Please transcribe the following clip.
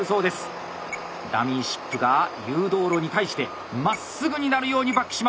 ダミーシップが誘導路に対してまっすぐになるようにバックします。